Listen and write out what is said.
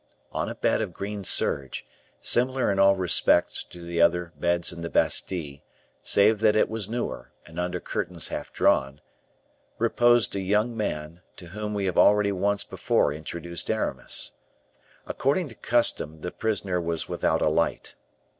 On a bed of green serge, similar in all respect to the other beds in the Bastile, save that it was newer, and under curtains half drawn, reposed a young man, to whom we have already once before introduced Aramis. According to custom, the prisoner was without a light.